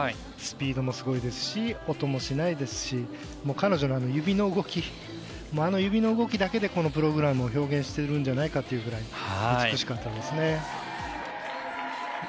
スピードもすごいですし音もしないですし彼女の、あの指の動きだけでこのプログラムを表現してるんじゃないかというぐらい美しかったですね。